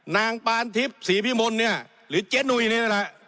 นางปานทิพย์สีพิมลเนี่ยหรือเจนุยนี่แหละ